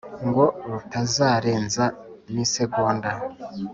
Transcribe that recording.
ngo rutazarenza n'isagonda,